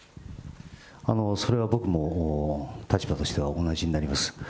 それは僕も立場としては同じになります。